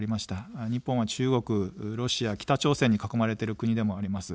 日本は中国、ロシア、北朝鮮に囲まれている国でもあります。